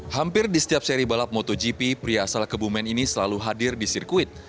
hampir di setiap seri balap motogp pria asal kebumen ini selalu hadir di sirkuit